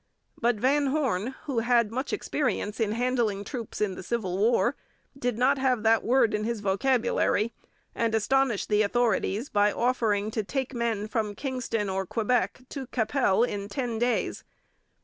But Van Horne, who had had much experience in handling troops in the Civil War, did not have that word in his vocabulary, and astonished the authorities by offering to take men from Kingston or Quebec to Qu'Appelle in ten days.